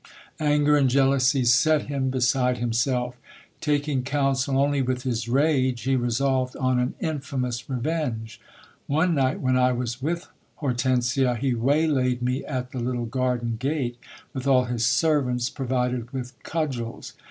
Anger and jealousy set him beside himself. Taking counsel only with his rage, he resolved on an infamous revenge. One night when I was with Hortensia, he waylaid me at the little garden gate, with all his servants provided with cudgels.